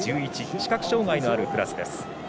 視覚障がいのあるクラスです。